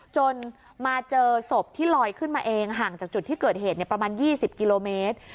จนมาเจอศพที่ลอยขึ้นมาเองห่างจากจุดที่เกิดเหตุประมาณ๒๐กิโลเมตร